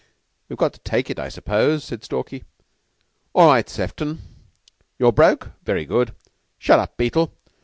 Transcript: "We've got to take it, I suppose?" said Stalky. "All right, Sefton. You're broke? Very good. Shut up, Beetle!